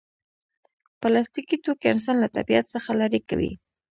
پلاستيکي توکي انسان له طبیعت څخه لرې کوي.